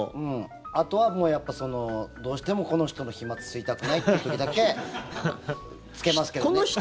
あとはどうしても、この人の飛まつ吸いたくないっていう時だけ着けますけどね。